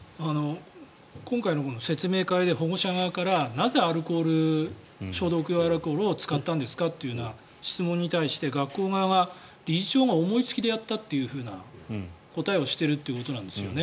今回の説明会で保護者側からなぜ消毒用アルコールを使ったんですかというような質問に対して学校側は理事長が思いつきでやったという答えをしているということなんですよね。